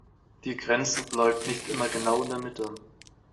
Die Grenze verläuft nicht immer genau in der Mitte.